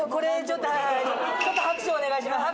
ちょっと拍手をお願いします。